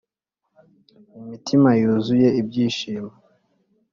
Imitima yuzuye ibyishimo